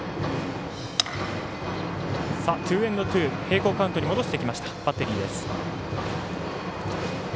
並行カウントに戻してきましたバッテリーです。